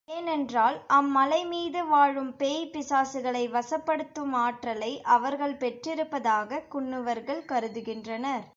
ஏனென்றால் அம்மலை மீது வாழும் பேய் பிசாசுகளை வசப்படுத்தும் ஆற்றலை அவர்கள் பெற்றிருப்பதாகக் குன்னுவர்கள் கருதுகின்றனர்.